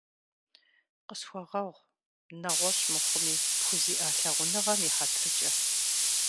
Къысхуэгъэгъу, нэгъуэщӀ мыхъуми, пхузиӀа лъагъуныгъэм и хьэтыркӀэ.